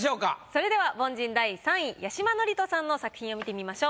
それでは凡人第３位八嶋智人さんの作品を見てみましょう。